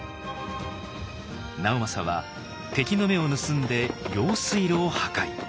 直政は敵の目を盗んで用水路を破壊。